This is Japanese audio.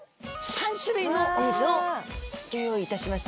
３種類のお水をギョ用意いたしました。